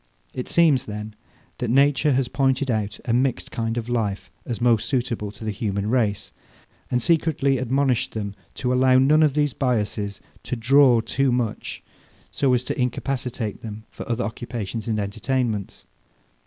It seems, then, that nature has pointed out a mixed kind of life as most suitable to the human race, and secretly admonished them to allow none of these biasses to draw too much, so as to incapacitate them for other occupations and entertainments.